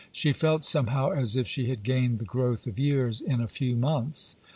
She felt somehow as if she had gained the growth of years in a few months.